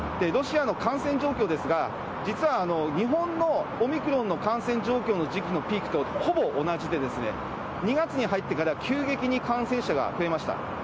ロシアの感染状況ですが、実は日本のオミクロンの感染状況の時期のピークとほぼ同じで、２月に入ってから急激に感染者が増えました。